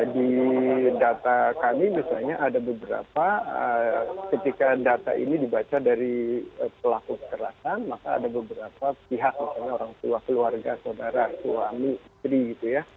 di data kami misalnya ada beberapa ketika data ini dibaca dari pelaku kekerasan maka ada beberapa pihak misalnya orang tua keluarga saudara suami istri gitu ya